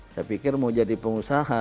saya pikir mau jadi pengusaha